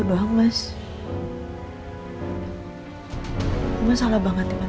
aku cuma gak mau kamu tumbuh beban sendirian mas